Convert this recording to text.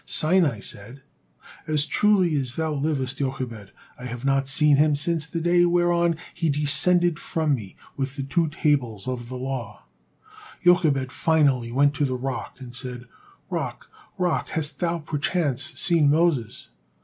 Sinai said, "As truly as thou livest, Jochebed, I have not seen him since the day whereon he descended from me with the two tables of the law." Jochebed finally went to the rock and said, "Rock, rock, hast thou perchance seen Moses?"